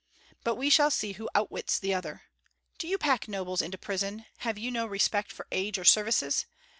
But we shall see who outwits the other. Do you pack nobles into prison, have you no respect for age or services?